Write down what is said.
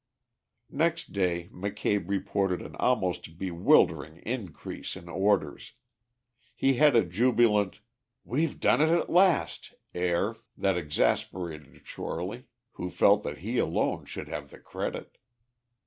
Next day McCabe reported an almost bewildering increase in orders. He had a jubilant "we've done it at last" air that exasperated Shorely, who felt that he alone should have the credit.